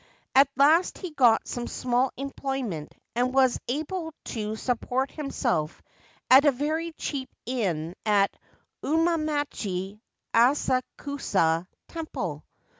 At last he got some small employment, and was able to support himself at a very cheap inn at Umamachi Asakusa Temple.